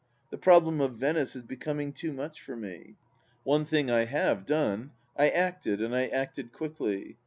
... The problem of Venice is be coming too much for me. ... One thing I have done. I acted, and I acted quickly.